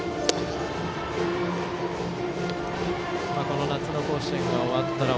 この夏の甲子園が終わったら